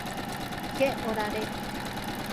Je orare.